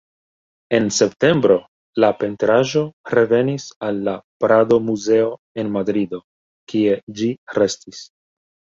En septembro, la pentraĵo revenis al la Prado-Muzeo en Madrido, kie ĝi restis.